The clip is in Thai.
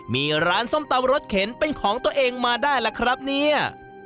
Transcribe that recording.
มีร้านส้มตำรสเข็นเป็นของตัวเองมาได้ล่ะครับเนี่ย